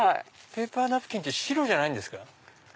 ペーパーナプキンって白じゃないんですか？